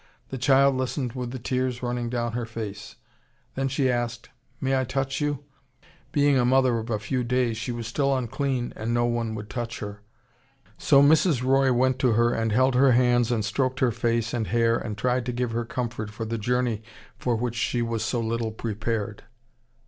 The child listened with the tears running down her face. Then she asked, 'May I touch you?' (Being a mother of a few days she was still unclean and no one would touch her). So Mrs. Roy went to her and held her hands and stroked her face and hair and tried to give her comfort for the journey for which she was so little prepared.